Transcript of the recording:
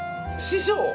師匠。